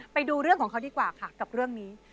ไปดูเรื่องของเขาดีกว่าค่ะกับเรื่องนี้